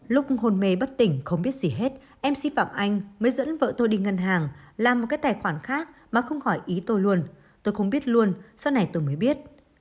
lúc hồn mê bất tỉnh không biết gì hết em si phạm anh mới dẫn vợ tôi đi ngân hàng làm một cái tài khoản khác mà không hỏi ý tôi luôn tôi không biết luôn sau này tôi mới biết